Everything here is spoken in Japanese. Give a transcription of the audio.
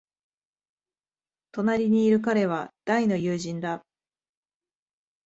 隣にいる彼は大の友人だ。